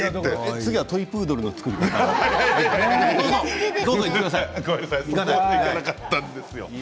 次はトイ・プードルの作り方いかない？